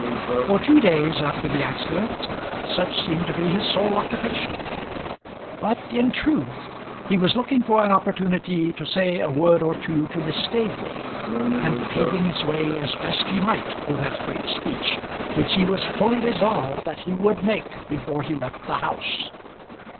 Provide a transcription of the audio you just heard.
For two days after the accident such seemed to be his sole occupation; but in truth he was looking for an opportunity to say a word or two to Miss Staveley, and paving his way as best he might for that great speech which he was fully resolved that he would make before he left the house.